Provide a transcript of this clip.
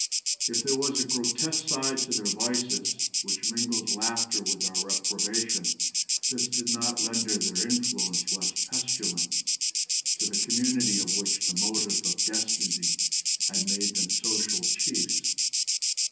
If there was a grotesque side to their vices which mingles laughter with our reprobation, this did not render their influence less pestilent to the community of which the motive of destiny had made them social chiefs.